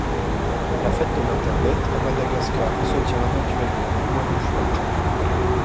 La Fête de l’Internet à Madagascar se tient habituellement au mois de juin.